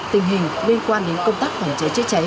tình hình liên quan đến công tác phòng cháy chữa cháy